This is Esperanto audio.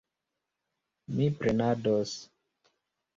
Mi prenados.